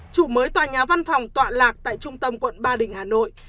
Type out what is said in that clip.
chủ mới tòa nhà văn phòng tọa lạc tại trung tâm quận ba đình hà nội